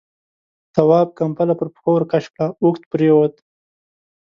تواب ، کمپله پر پښو ورکش کړه، اوږد پرېووت.